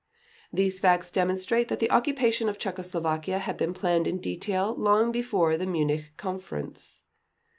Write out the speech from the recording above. These facts demonstrate that the occupation of Czechoslovakia had been planned in detail long before the Munich Conference.